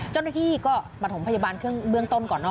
เจ้าหน้าที่ก็มาถึงพยาบาลเครื่องเบื้องต้นก่อน